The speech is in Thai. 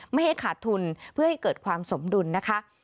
ไม่ให้ขาดทุนเพื่อให้เกิดความสมดุลนะคะ